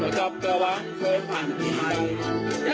แม้จอบกระวังเคยผ่านลงมาให้